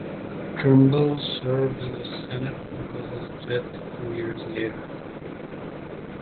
Trimble served in the Senate until his death two years later.